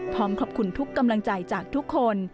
พร้อมขอบคุณทุกกำลังใจจากทุกคน